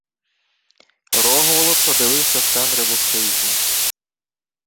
Рогволод подивився в темряву хижі..